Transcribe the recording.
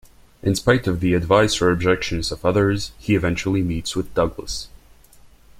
In spite of the advice or objections of others, he eventually meets with Douglas.